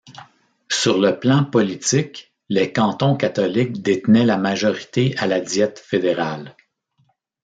Sur le plan politique, les cantons catholiques détenaient la majorité à la Diète fédérale.